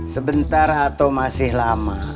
sebentar atau masih lama